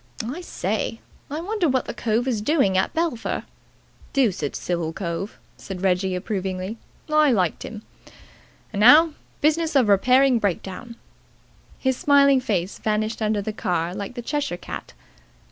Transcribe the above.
I say, I wonder what the cove is doing at Belpher? Deuced civil cove," said Reggie approvingly. "I liked him. And now, business of repairing breakdown." His smiling face vanished under the car like the Cheshire cat.